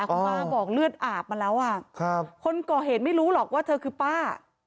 คุณป้าบอกเลือดอาบมาแล้วคนก่อเหตุไม่รู้หรอกว่าเธอคือป้า